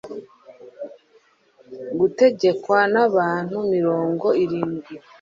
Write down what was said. gutegekwa n'abantu mirongo irindwi